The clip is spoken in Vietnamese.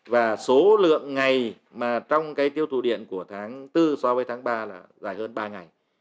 và số lượng ngày mà trong cái tiêu thụ điện của tháng bốn so với tháng ba là dài hơn ba ngày